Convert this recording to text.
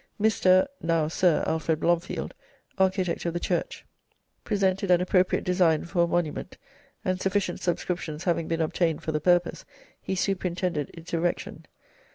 Mr. (now Sir) Alfred Blomfield, architect of the church, presented an appropriate design for a monument, and sufficient subscriptions having been obtained for the purpose, he superintended its erection.